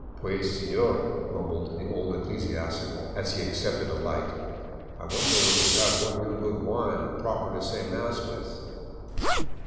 " Pues, sefior," mumbled the old ecclesiastic, as he accepted a light, " I wonder if you have a real good wine, proper to say mass with."